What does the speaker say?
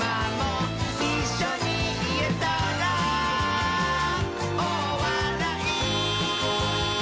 「いっしょにいえたら」「おおわらい」